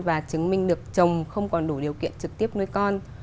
và chứng minh được chồng không còn đủ điều kiện trực tiếp nuôi con